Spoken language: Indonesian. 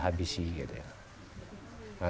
habisi gitu ya